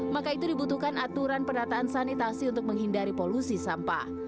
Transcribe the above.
maka itu dibutuhkan aturan pendataan sanitasi untuk menghindari polusi sampah